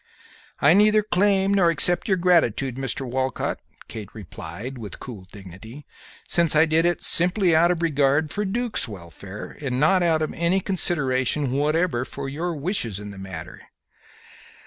"I neither claim nor accept your gratitude, Mr. Walcott," Kate replied, with cool dignity, "since I did it simply out of regard for Duke's welfare and not out of any consideration whatever for your wishes in the matter."